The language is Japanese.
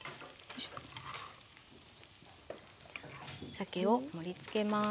さけを盛りつけます。